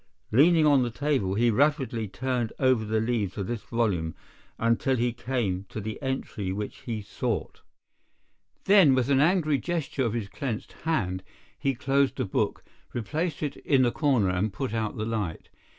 Leaning on the table, he rapidly turned over the leaves of this volume until he came to the entry which he sought. Then, with an angry gesture of his clenched hand, he closed the book, replaced it in the corner, and put out the light.